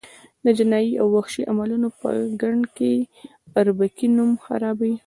د جنایي او وحشي عملونو په ګند کې اربکي نوم خرابوي.